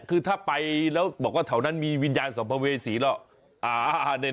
คือถ้าไปแล้วบอกว่าแถวนั้นมีวิญญาณสัมภเวษีหรอก